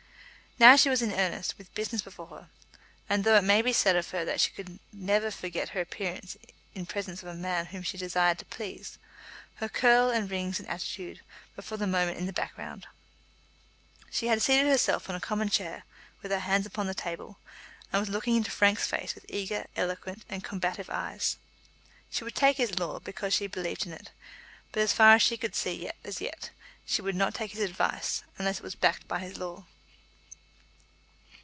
Now she was in earnest, with business before her; and though it may be said of her that she could never forget her appearance in presence of a man whom she desired to please, her curl, and rings, and attitude were for the moment in the background. She had seated herself on a common chair, with her hands upon the table, and was looking into Frank's face with eager, eloquent, and combative eyes. She would take his law, because she believed in it; but, as far as she could see as yet, she would not take his advice unless it were backed by his law.